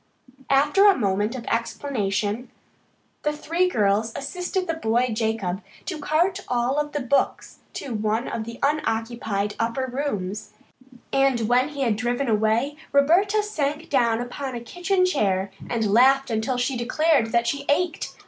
After a moment of explanation the three girls assisted the boy Jacob to cart all the books to one of the unoccupied upper rooms, and when he had driven away Roberta sank down upon a kitchen chair and laughed until she declared that she ached.